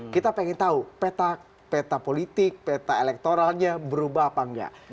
kita pengen tahu peta politik peta elektoralnya berubah apa enggak